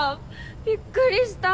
びっくりした！